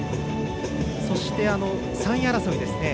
そして、３位争いですね。